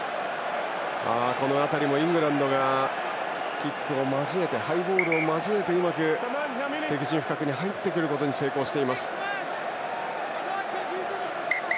この辺りもイングランドがキックを交えてハイボールを交えてうまく敵陣深くに入ってくることに成功しています。